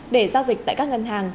để giao dịch tại các ngân hàng